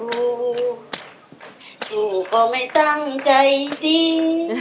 ดูก็ไม่ตั้งใจดี